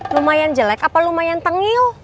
lumayan jelek apa lumayan tengil